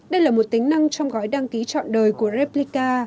đây là một tính năng trong gói đăng ký chọn đời của reblica